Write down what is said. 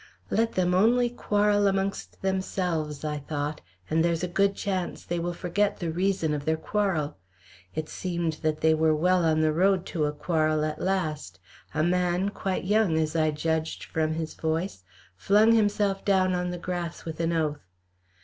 Let them only quarrel amongst themselves, I thought, and there's a good chance they will forget the reason of their quarrel. It seemed that they were well on the road to a quarrel at last; a man, quite young as I judged from his voice, flung himself down on the grass with an oath.